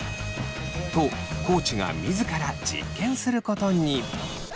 と地が自ら実験することに。